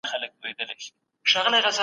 سایبر امنیت د شبکې فعالیت منظم ساتي.